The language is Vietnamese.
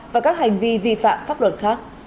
và các hành vi vi phạm pháp luật khác